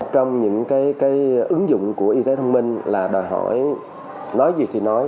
trong những cái ứng dụng của y tế thông minh là đòi hỏi nói gì thì nói